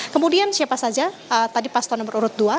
kemudian siapa saja tadi pasta nomor urut dua